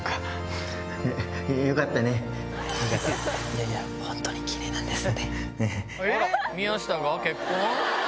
いやいや本当にキレイなんですって。